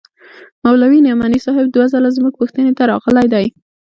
مولوي نعماني صاحب دوه ځله زموږ پوښتنې ته راغلى دى.